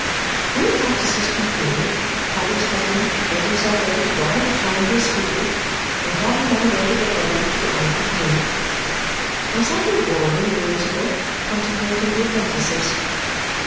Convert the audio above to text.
When the practice was concluded, Caddy's husband made himself ready to go out of town to a school, and Caddy ran away to get ready to go out with me. I sat in the ball room in the interval, contemplating the apprentices.